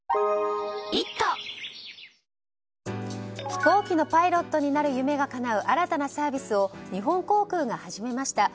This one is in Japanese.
飛行機のパイロットになる夢がかなう新たなサービスを日本航空が始めました。